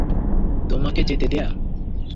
তোমাকে যেতে দেয়া?